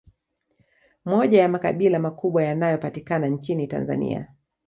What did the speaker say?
Moja ya makabila makubwa yanayo patikana nchini Tanzania